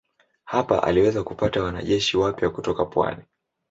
Hapa aliweza kupata wanajeshi wapya kutoka pwani.